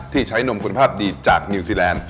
ที่ใช้นมคุณภาพดีจากนิวซีแลนด์